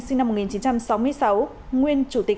sinh năm một nghìn chín trăm sáu mươi sáu nguyên chủ tịch